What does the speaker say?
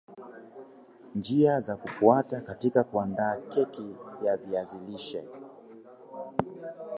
njia za kufuata katika kuandaa keki ya viazi lishe